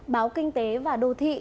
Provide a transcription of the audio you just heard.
báo kinh tế và đô thị